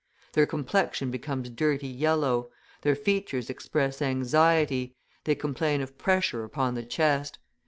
Their complexion becomes dirty yellow, their features express anxiety, they complain of pressure upon the chest.